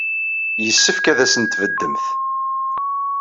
Yessefk ad asen-tbeddemt.